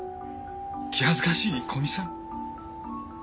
気恥ずかしい古見さん。